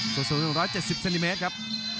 สูตรสูตร๑๗๐ซินิเมตรครับ